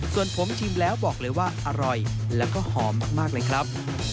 ส่วนผมชิมแล้วบอกเลยว่าอร่อยแล้วก็หอมมากเลยครับ